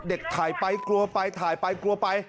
เด็กถ่ายไปกลัวไปถ่ายไปกลัวไป